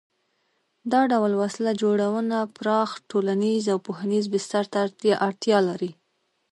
دا ډول وسله جوړونه پراخ ټولنیز او پوهنیز بستر ته اړتیا لري.